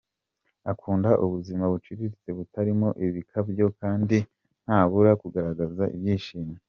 Akunda ubuzima buciritse butarimo ibikabyo kandi ntabura kugaragaza ibyishimo.